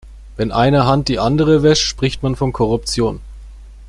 Wenn eine Hand die andere wäscht, spricht man von Korruption.